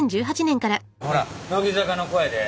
ほら乃木坂の子やで。